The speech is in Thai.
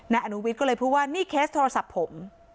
อนุวิทย์ก็เลยพูดว่านี่เคสโทรศัพท์ผม